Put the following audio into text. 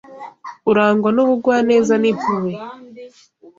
urangwa n’ubugwaneza n’impuhwe